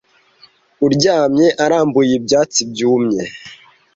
uryamye arambuye ibyatsi byumye